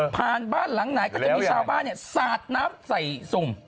บ้านหลังไหนก็จะมีชาวบ้านสาดน้ำใส่สุ่ม